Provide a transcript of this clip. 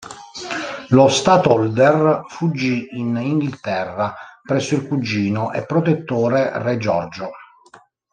Lo "statolder" fuggì in Inghilterra, presso il cugino e protettore Re Giorgio.